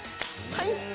最高。